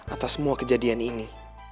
atas semua kejadian ini